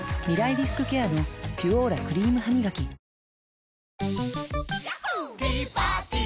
リスクケアの「ピュオーラ」クリームハミガキ結構。